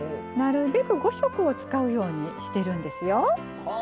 なるべく５色を使うようにしてるんですよ。